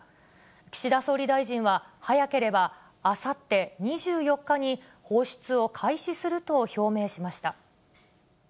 岸田総理大臣は、早ければあさって２４日に放出を開始すると表明しました。